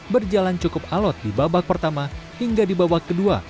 berjalan cukup alot di babak pertama hingga di babak kedua